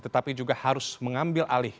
tetapi juga harus mengambil alih